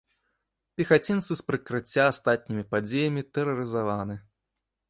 Пехацінцы з прыкрыцця астатнімі падзеямі тэрарызаваны.